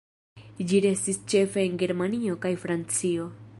Li restis ĉefe en Germanio kaj Francio.